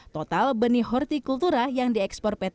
total benih hortikultura yang diekspor pt